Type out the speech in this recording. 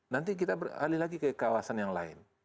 nanti kita beralih lagi ke kawasan yang lain